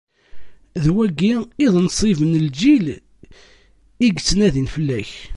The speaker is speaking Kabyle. D wagi i d nnṣib n lǧil i yettnadin fell-ak.